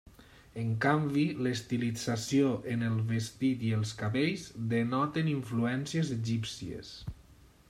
En canvi l'estilització en el vestit i els cabells denoten influències egípcies.